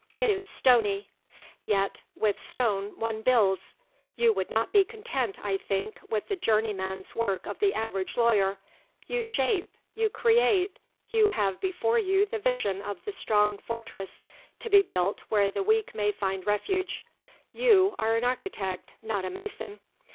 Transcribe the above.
"It is stony; yet with stone one builds. You would not be content, I think, with the journeyman's work of the average lawyer. You shape; you create; you have before you the vision of the strong fortress to be built where the weak may find refuge. You are an architect, not a mason.